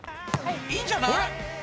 いいんじゃない？